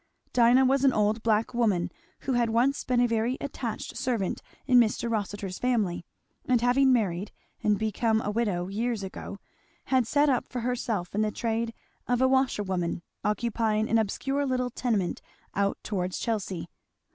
Dinah was an old black woman who once had been a very attached servant in Mr. Rossitur's family, and having married and become a widow years ago, had set up for herself in the trade of a washerwoman, occupying an obscure little tenement out towards Chelsea.